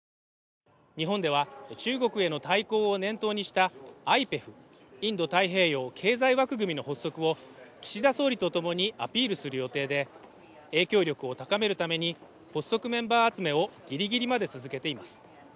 日本では中国への対抗を念頭にしたＩＰＥＦ＝インド太平洋経済枠組みの発足を岸田総理と共にアピールする予定で影響力を高めるために発足メンバー集めをギリギリまで続けています